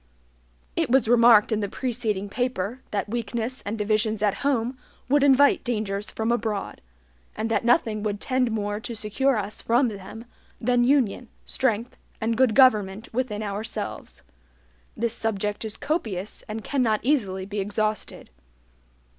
It was remarked in the preceding paper, that weakness and divisions at home would invite dangers from abroad; and that nothing would tend more to secure us from them than union, strength, and good government within ourselves. This subject is copious and cannot easily be exhausted.